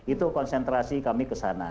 itu konsentrasi kami kesana